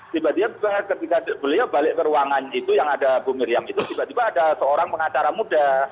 tiba tiba ketika beliau balik ke ruangan itu yang ada bu miriam itu tiba tiba ada seorang pengacara muda